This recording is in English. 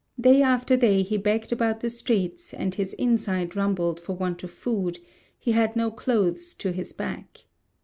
Day after day he begged about the streets, and his inside rumbled for want of food; he had no clothes to his back.